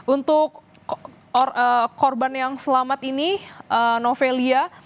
untuk korban yang selamat ini novelia